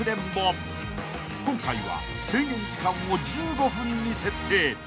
［今回は制限時間を１５分に設定］